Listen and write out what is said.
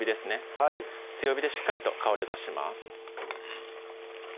はい強火でしっかりと香りを出します